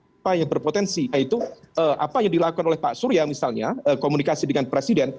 hai payah berpotensi yaitu apa yang dilakukan oleh pak surya misalnya komunikasi dengan presiden